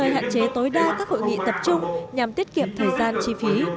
hội nghị tập trung nhằm tiết kiệm thời gian chi phí